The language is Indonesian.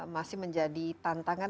masih menjadi tantangan